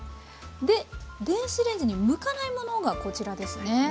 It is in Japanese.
で電子レンジに向かないものがこちらですね。